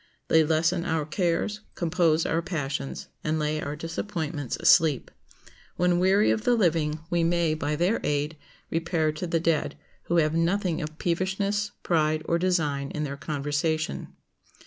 They lessen our cares, compose our passions, and lay our disappointments asleep. When weary of the living, we may, by their aid, repair to the dead, who have nothing of peevishness, pride, or design in their conversation.